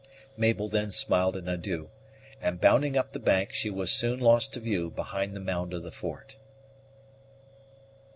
Mabel then smiled an adieu; and, bounding up the bank, she was soon lost to view behind the mound of the fort.